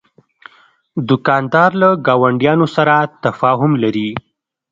دوکاندار له ګاونډیانو سره تفاهم لري.